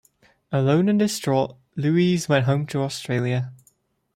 Alone and distraught, Louise went home to Australia.